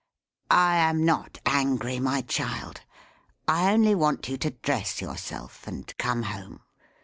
"I am not angry, my child. I only want you to dress yourself and come home."